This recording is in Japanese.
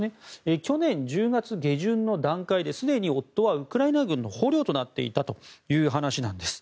去年１０月下旬の段階ですでに夫は、ウクライナ軍の捕虜となっていたという話です。